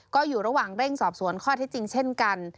ก็อยู่ระหว่างเร่งสอบสวนข้อที่จริงเช่นกัน